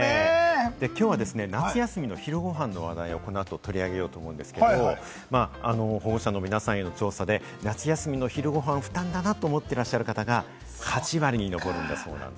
きょうは夏休みの昼ごはんの話題をこの後、取り上げようと思うんですけれど、保護者の皆さんへの調査で、夏休みの昼ごはん、負担だなと思ってらっしゃる方が８割にのぼるんだそうです。